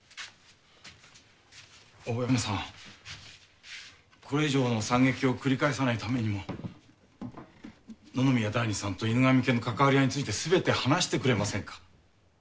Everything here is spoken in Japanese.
大山さんこれ以上の惨劇を繰り返さないためにも野々宮大弐さんと犬神家の関わりあいについてすべて話してくれませんか。